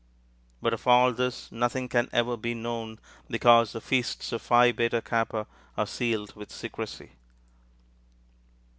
But of all this nothing can ever be known, because the feasts of Phi Beta Kappa are sealed with secrecy.